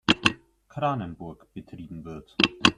Kranenburg betrieben wird.